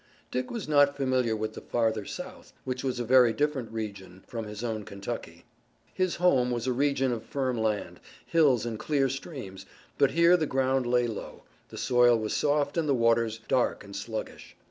Dick was not familiar with the farther South, which was a very different region from his own Kentucky. His home was a region of firm land, hills and clear streams, but here the ground lay low, the soil was soft and the waters dark and sluggish.